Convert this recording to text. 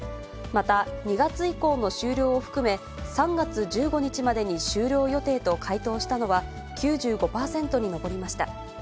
また、２月以降の終了を含め、３月１５日までに終了予定と回答したのは、９５％に上りました。